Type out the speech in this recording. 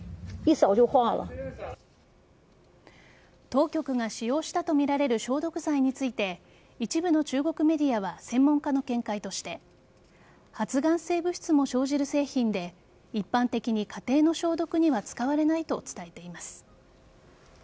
当局が使用したとみられる消毒剤について一部の中国メディアは専門家の見解として発がん性物質も生じる製品で一般的に家庭の消毒には使われないと伝えています。